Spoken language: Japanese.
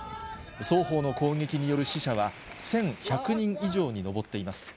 双方の攻撃による死者は１１００人以上に上っています。